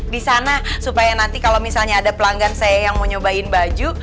di sana supaya nanti kalau misalnya ada pelanggan saya yang mau nyobain baju